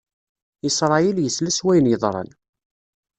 Isṛayil isla s wayen yeḍran.